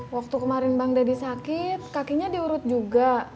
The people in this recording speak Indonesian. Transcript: waktu kemarin bang deddy sakit kakinya diurut juga